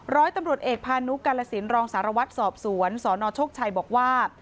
ร้อยตำรวจเอกพานุกาลสินรองสารวัตรสอบสวนสนโชคชัยบอกว่า